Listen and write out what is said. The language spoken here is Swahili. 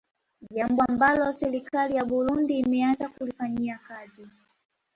Jambo ambalo serikali ya Buirundi imeanza kulifanyika kazi